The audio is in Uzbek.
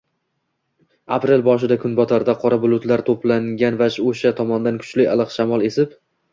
Aprel boshida kunbotarda qora bulutlar toʻplangan va oʻsha tomondan kuchli iliq shamol esib